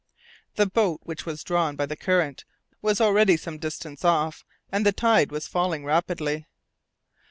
The boat, which was drawn by the current, was already some distance off, and the tide was falling rapidly.